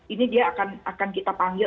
ini dia akan kita panggil